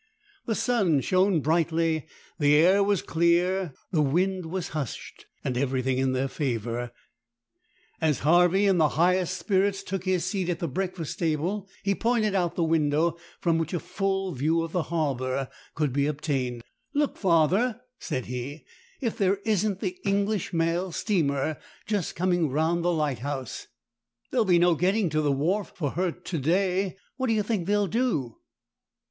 The sun shone brightly, the air was clear, the wind was hushed, and everything in their favour. As Harvey, in the highest spirits, took his seat at the breakfast table, he pointed out the window, from which a full view of the harbour could be obtained. "Look, father," said he, "if there isn't the English mail steamer just coming round the lighthouse! There'll be no getting to the wharf for her to day. What do you think they'll do?"